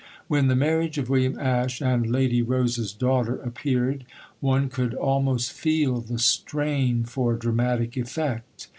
When The Marriage of William Ashe and Lady Rose's Daughter appeared, one could almost feel the strain for dramatic effect.